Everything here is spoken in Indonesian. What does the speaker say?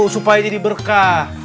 supaya jadi berkah